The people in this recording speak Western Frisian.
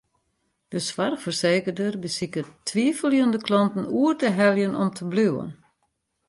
De soarchfersekerder besiket twiveljende klanten oer te heljen om te bliuwen.